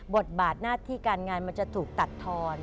บทบาทหน้าที่การงานมันจะถูกตัดทอน